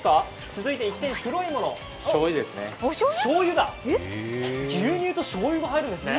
続いて黒いもの、しょうゆだ、牛乳としょうゆが入るんですね。